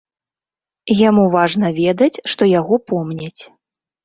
Яму важна ведаць, што яго помняць.